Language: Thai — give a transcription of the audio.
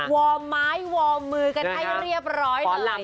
วอมไม้วอมมือกันให้เรียบร้อย